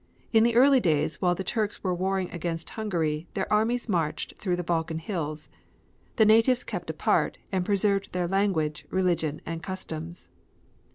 In the early days while the Turks were warring against Hungary, their armies marched through the Balkan hills. The natives kept apart, and preserved their language, religion and customs.